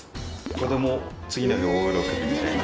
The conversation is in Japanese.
子供次の日大喜びみたいな。